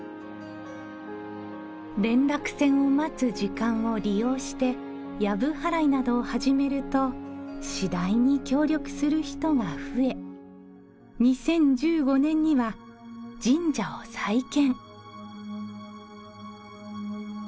連絡船を待つ時間を利用してやぶ払いなどを始めると次第に協力する人が増え２０１５年には神社を再建。